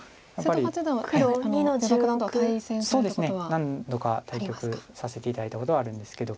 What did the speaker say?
何度か対局させて頂いたことはあるんですけど。